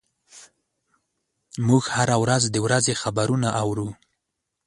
موږ هره ورځ د ورځې خبرونه اورو.